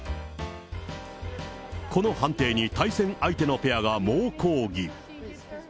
この判定に対戦相手のペアが猛抗議。